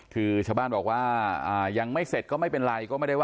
คือชาวบ้านบอกว่าอ่ายังไม่เสร็จก็ไม่เป็นไร